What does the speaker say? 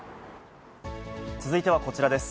続いてはこちらです。